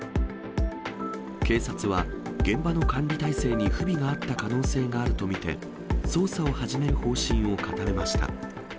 警察は現場の管理態勢に不備があった可能性があると見て、捜査を始める方針を固めました。